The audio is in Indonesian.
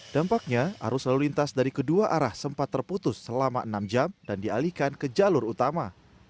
dampaknya arus lalu lintas dari kedua arah sempat terputus selama enam jam dan dialihkan ke jalur utama